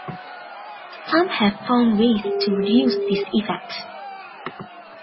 Some have found ways to reduce this effect.